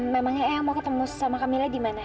memangnya ayang mau ketemu sama kamila di mana